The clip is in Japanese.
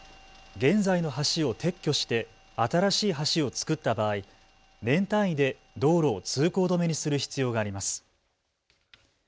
現在の橋を撤去して新しい橋を造った場合、年単位で道路を通行止めにする必要があります。